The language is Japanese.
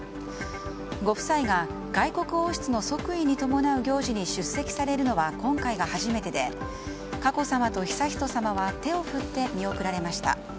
ご夫妻が外国王室の即位に伴う行事に出席されるのは今回が初めてで佳子さまと悠仁さまは手を振って見送られました。